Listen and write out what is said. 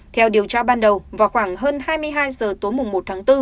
theo điều tra ban đầu vào khoảng hơn hai mươi hai h tối một tháng bốn